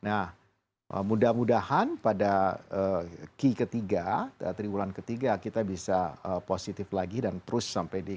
nah mudah mudahan pada ki ketiga tiga bulan ketiga kita bisa positif lagi dan terus sampai di ki empat